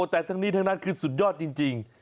แต่ทั้งนี้ทั้งนั้นคือสุดยอดจริง